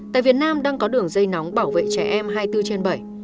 tại việt nam đang có đường dây nóng bảo vệ trẻ em hai mươi bốn trên bảy